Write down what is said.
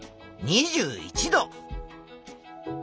２１度。